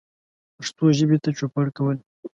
پښتو ژبې ته چوپړ کول